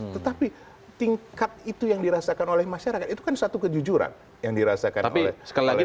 tetapi tingkat itu yang dirasakan oleh masyarakat itu kan satu kejujuran yang dirasakan oleh sekali